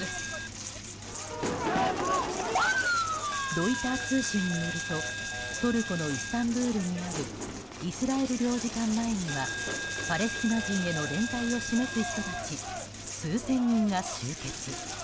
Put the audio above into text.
ロイター通信によるとトルコのイスタンブールにあるイスラエル領事館前にはパレスチナ人への連帯を示す人たち数千人が集結。